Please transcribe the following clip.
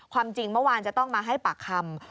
ความจริงเมื่อวานจะต้องมาให้ปากคำ